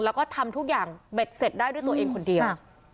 แล้วก็ทำทุกอย่างเบ็ดเสร็จได้ด้วยตัวเองคนเดียว